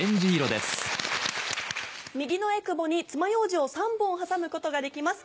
右のエクボにつまようじを３本挟むことができます。